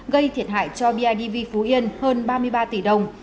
gây thiệt hại cho bidv phú yên hơn ba mươi ba tỷ đồng